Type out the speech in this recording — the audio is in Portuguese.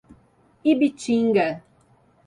Ibitinga